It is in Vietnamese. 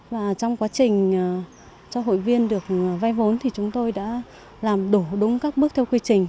và trong quá trình cho hội viên được vay vốn thì chúng tôi đã làm đủ đúng các bước theo quy trình